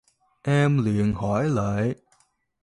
em liền hỏi lại